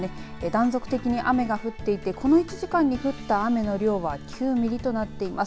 断続的に雨が降っていてこの１時間に降った雨の量が９ミリとなっています。